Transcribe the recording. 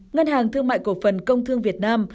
ngân hàng thương mại cổ phần công thương việt nam